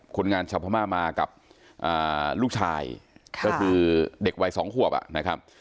คนงานชาวพม่ามากับลูกชายก็คือเด็กวัย๒ขวบนะครับ